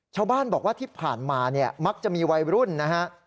ชาวบ้านบอกว่าที่ผ่านมาเนี่ยมักจะมีวัยรุ่นนะฮะ